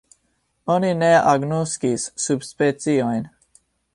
Oni ne agnoskis subspeciojn.